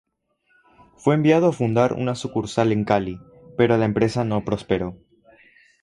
Fue enviado a fundar una sucursal en Cali pero la empresa no prosperó.